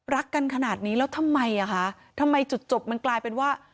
รักกันขนาดนี้แล้วทำไมอ่ะคะทำไมจุดจบมันกลายเป็นว่า